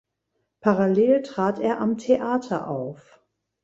Parallel trat er am Theater auf.